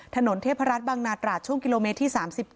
ถนนเทพรัฐบังนาตราช่วงกิโลเมตรที่๓๗